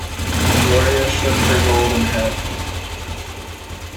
Gloria shook her golden head.